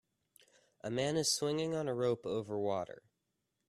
A man is swinging on a rope over water.